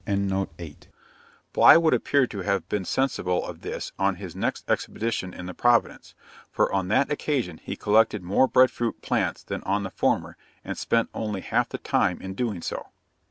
' Bligh would appear to have been sensible of this on his next expedition in the Providence, for on that occasion he collected more bread fruit plants than on the former, and spent only half the time in doing so.